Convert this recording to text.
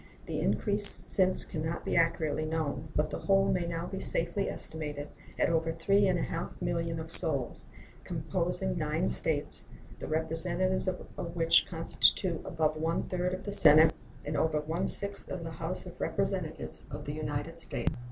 The increase since can not be accurately known, but the whole may now be safely estimated at over three and a half millions of souls, composing nine States, the representatives of which constitute above one third of the Senate and over one sixth of the House of Representatives of the United States.